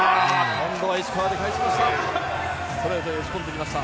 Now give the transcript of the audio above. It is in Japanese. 今度は石川で返しました。